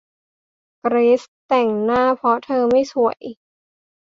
เกรซแต่งหน้าเพราะเธอไม่สวย